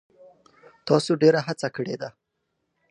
تاسو ډیره هڅه کړې ده.